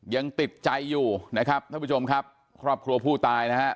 ยังติดใจอยู่นะครับท่านผู้ชมครับครอบครัวผู้ตายนะฮะ